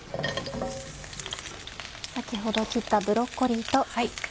先ほど切ったブロッコリーと。